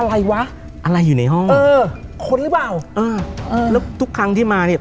อะไรวะอะไรอยู่ในห้องเออค้นหรือเปล่าเออเออแล้วทุกครั้งที่มาเนี้ย